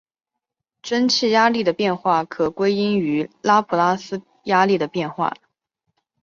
蒸气压力的变化可归因于拉普拉斯压力的变化。